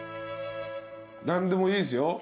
何でもいいですよ。